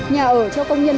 nhà ở cho công nhân